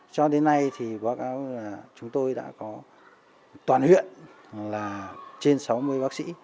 cho đến nay thì báo cáo là chúng tôi đã có toàn huyện là trên sáu mươi bác sĩ